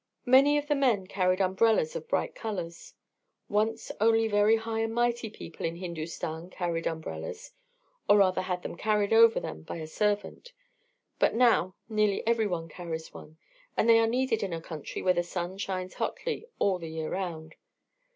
Many of the men carried umbrellas of bright colours. Once only very high and mighty people in Hindustan carried umbrellas, or rather had them carried over them by a servant, but now nearly every one carries one; and they are needed in a country where the sun shines hotly all the year round.